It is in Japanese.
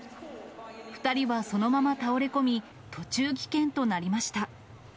２人はそのまま倒れ込み、途中棄権となりました。